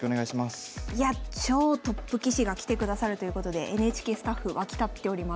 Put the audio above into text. いや超トップ棋士が来てくださるということでＮＨＫスタッフ沸き立っております。